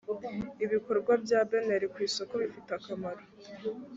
ibikorwa bya beneri ku isoko bifite akamaro .